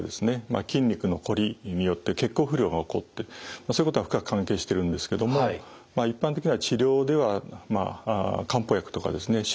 筋肉のこりによって血行不良が起こってそういうことが深く関係してるんですけどもまあ一般的な治療では漢方薬とかですね